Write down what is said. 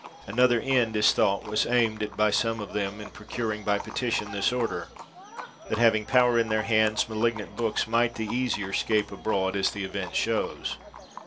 Another end is thought was aimed at by some of them in procuring by petition this order, that, having power in their hands, malig nant books might the easier scape abroad, as the event shows.